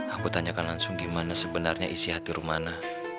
aku tanyakan langsung gimana sebenarnya isi hati rumana